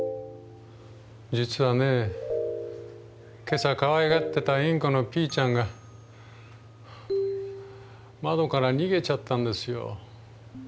実はね今朝かわいがってたインコのピーちゃんが窓から逃げちゃったんですよ。